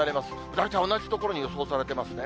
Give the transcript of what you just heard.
大体同じ所に予想されてますね。